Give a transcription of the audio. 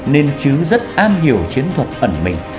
nên chứ rất am hiểu chiến thuật ẩn mình